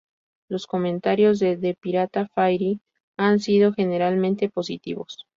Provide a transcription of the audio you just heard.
Los comentarios de "The Pirate Fairy" han sido generalmente positivos.